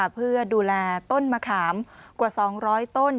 เพื่อดูแลต้นมะขามกว่า๒๐๐ต้น